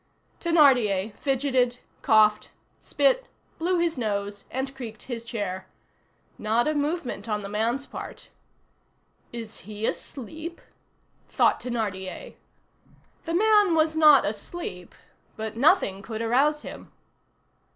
Thénardier fidgeted, coughed, spit, blew his nose, and creaked his chair. Not a movement on the man's part. "Is he asleep?" thought Thénardier. The man was not asleep, but nothing could arouse him.